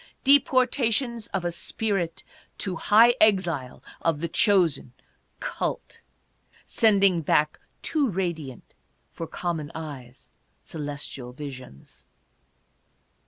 Deportations of a spirit to high exile of the chosen "cult," sending back, too radiant for com mon eyes, celestial visions.